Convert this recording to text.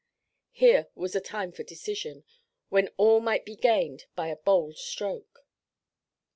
Here was a time for decision; when all might be gained by a bold stroke.